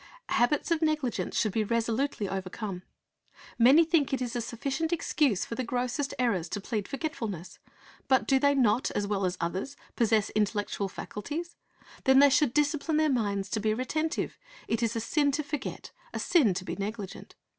Habits of negligence should be resolutely overcome. Many think it a sufficient excuse for the grossest errors to Talents 359 plead forgetfulness. But do they not, as well as others, possess intellectual faculties? Then they should discipline their minds to be retentive. It is a sin to forget, a sin to be negligent.